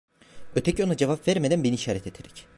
Öteki ona cevap vermeden beni işaret ederek.